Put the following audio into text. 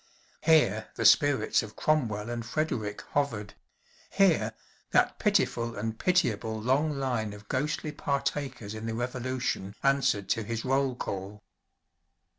Here the spirits of Cromwell and Frederick hovered; here that pitiful and pitiable long line of ghostly partakers in the Revolution answered to his roll call.